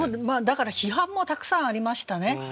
だから批判もたくさんありましたね。